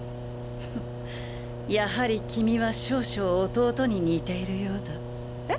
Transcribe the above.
フッやはり君は少々弟に似ているようだ。え！？